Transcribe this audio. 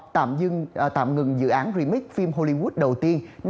tạm ngừng dự án remake phim hollywood đầu tiên